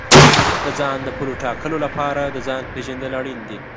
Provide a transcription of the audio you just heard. د ځان د پولو ټاکلو لپاره د ځان پېژندل اړین دي.